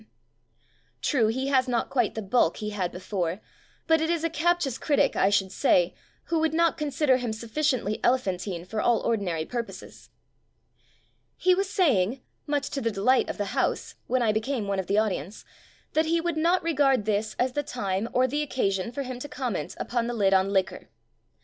CHESTERTON 25 him. True, he has not quite the bulk he had before; but it is a captious critic, I should say» who would not con sider him sufficiently elephantine for all ordinary purposes. He was saying (much to the delight of the house) when I became one of the audience, that he would "not re gard this as the time or the occasion for him to conmient upon the lid on liquor".